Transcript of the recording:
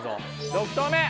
６投目。